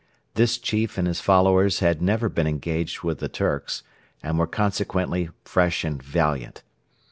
This chief and his followers had never been engaged with the 'Turks,' and were consequently fresh and valiant.